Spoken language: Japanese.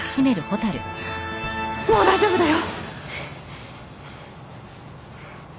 もう大丈夫だよ。